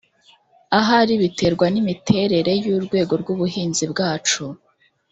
Ahari biterwa n’imiterere y’ urwego rw’ ubuhinzi bwacu